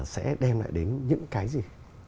sẽ đem lại đến những cái gì